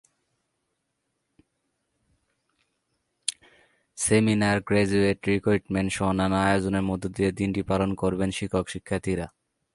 Seminar, graduate রিক্রুটমেন্টসহ নানা আয়োজনের মধ্য দিয়ে দিনটি পালন করবেন শিক্ষক-শিক্ষার্থীরা।